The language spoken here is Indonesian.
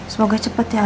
semoga cepat ya